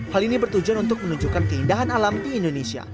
hal ini bertujuan untuk menunjukkan keindahan alam di indonesia